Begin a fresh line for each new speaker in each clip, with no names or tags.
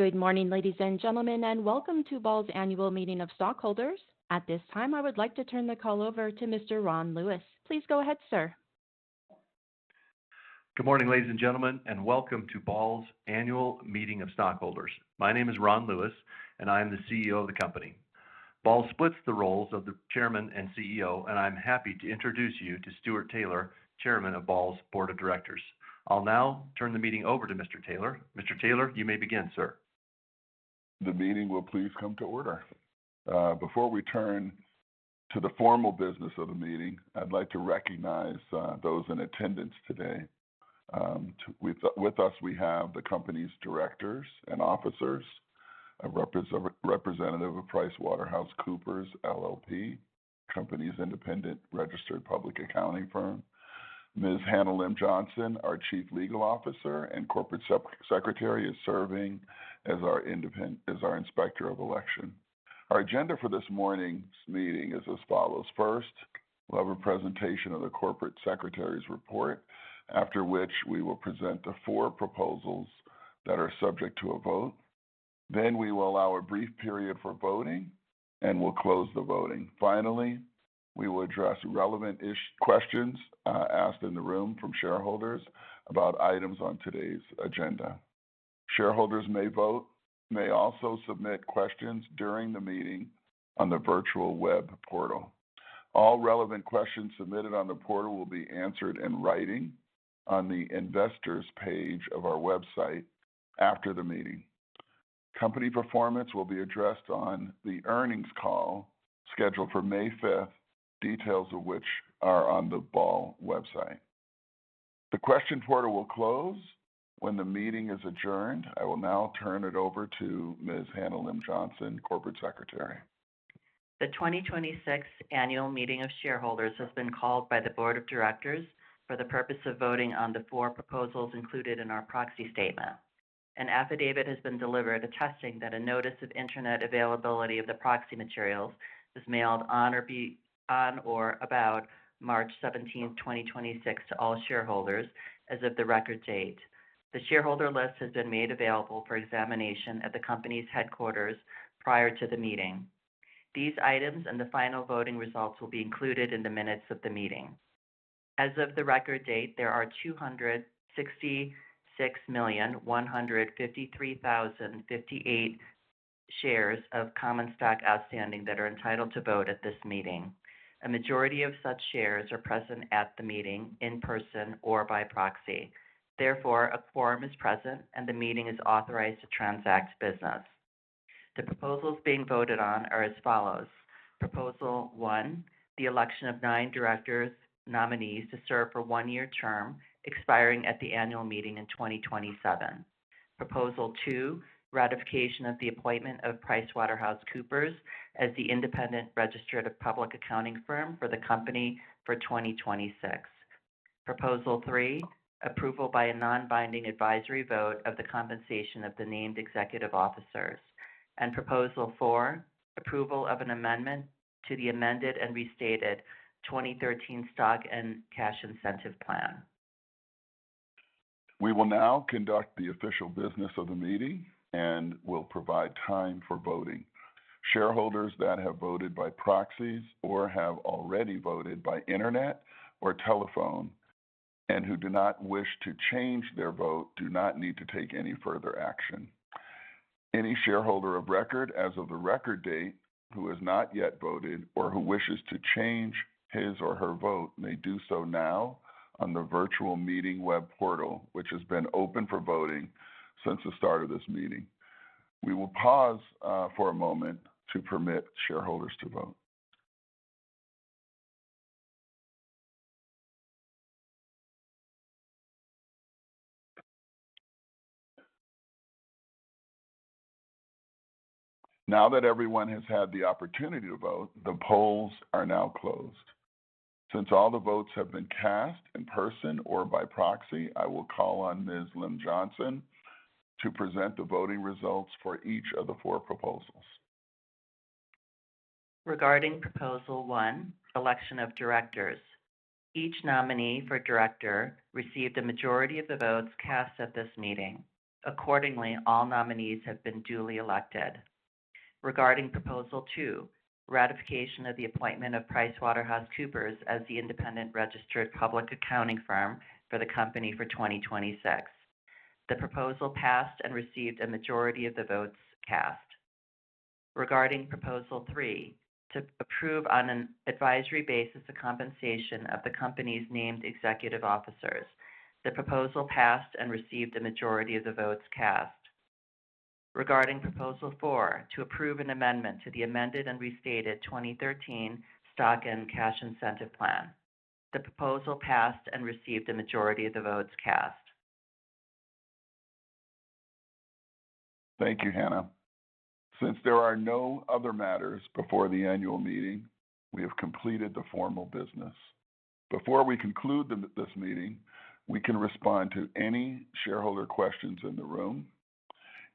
Good morning, ladies and gentlemen, and welcome to Ball's annual meeting of stockholders. At this time, I would like to turn the call over to Mr. Ron Lewis. Please go ahead, sir.
Good morning, ladies and gentlemen, and welcome to Ball's Annual Meeting of Stockholders. My name is Ron Lewis, and I am the CEO of the company. Ball splits the roles of the Chairman and CEO, and I'm happy to introduce you to Stuart A. Taylor II, Chairman of Ball's board of directors. I'll now turn the meeting over to Mr. Taylor. Mr. Taylor, you may begin, sir.
The meeting will please come to order. Before we turn to the formal business of the meeting, I'd like to recognize those in attendance today. With us we have the company's directors and officers, a representative of PricewaterhouseCoopers LLP, the company's independent registered public accounting firm. Ms. Hannah Lim-Johnson, our Chief Legal Officer and Corporate Secretary is serving as our inspector of election. Our agenda for this morning's meeting is as follows. First, we'll have a presentation of the corporate secretary's report, after which we will present the four proposals that are subject to a vote. We will allow a brief period for voting, and we'll close the voting. Finally, we will address relevant questions asked in the room from shareholders about items on today's agenda. Shareholders may vote. May also submit questions during the meeting on the virtual web portal. All relevant questions submitted on the portal will be answered in writing on the investors page of our website after the meeting. Company performance will be addressed on the earnings call scheduled for May 5th, details of which are on the Ball website. The question portal will close when the meeting is adjourned. I will now turn it over to Ms. Hannah Lim-Johnson, Corporate Secretary.
The 2026 annual meeting of shareholders has been called by the board of directors for the purpose of voting on the four proposals included in our proxy statement. An affidavit has been delivered attesting that a notice of internet availability of the proxy materials was mailed on or about March 17th, 2026 to all shareholders as of the record date. The shareholder list has been made available for examination at the company's headquarters prior to the meeting. These items and the final voting results will be included in the minutes of the meeting. As of the record date, there are 266,153,058 shares of common stock outstanding that are entitled to vote at this meeting. A majority of such shares are present at the meeting in person or by proxy. Therefore, a quorum is present, and the meeting is authorized to transact business. The proposals being voted on are as follows. Proposal 1, the election of nine directors nominees to serve for a one-year term expiring at the annual meeting in 2027. Proposal 2, ratification of the appointment of PricewaterhouseCoopers as the independent registered public accounting firm for the company for 2026. Proposal 3, approval by a non-binding advisory vote of the compensation of the named executive officers. Proposal 4, approval of an amendment to the amended and restated 2013 Stock and Cash Incentive Plan.
We will now conduct the official business of the meeting and will provide time for voting. Shareholders that have voted by proxies or have already voted by internet or telephone and who do not wish to change their vote do not need to take any further action. Any shareholder of record as of the record date who has not yet voted or who wishes to change his or her vote may do so now on the virtual meeting web portal, which has been open for voting since the start of this meeting. We will pause for a moment to permit shareholders to vote. Now that everyone has had the opportunity to vote, the polls are now closed. Since all the votes have been cast in person or by proxy, I will call on Ms. Hannah Lim-Johnson to present the voting results for each of the four proposals.
Regarding proposal 1, election of directors. Each nominee for director received a majority of the votes cast at this meeting. Accordingly, all nominees have been duly elected. Regarding proposal 2, ratification of the appointment of PricewaterhouseCoopers as the independent registered public accounting firm for the company for 2026. The proposal passed and received a majority of the votes cast. Regarding proposal 3, to approve on an advisory basis the compensation of the company's named executive officers. The proposal passed and received a majority of the votes cast. Regarding proposal 4, to approve an amendment to the amended and restated 2013 Stock and Cash Incentive Plan. The proposal passed and received a majority of the votes cast.
Thank you, Hannah. Since there are no other matters before the annual meeting, we have completed the formal business. Before we conclude this meeting, we can respond to any shareholder questions in the room.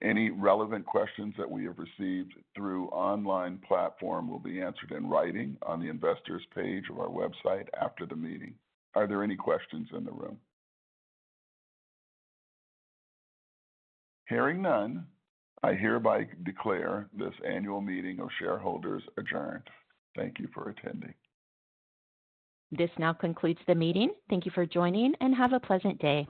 Any relevant questions that we have received through online platform will be answered in writing on the investor's page of our website after the meeting. Are there any questions in the room? Hearing none, I hereby declare this annual meeting of shareholders adjourned. Thank you for attending.
This now concludes the meeting. Thank you for joining, and have a pleasant day.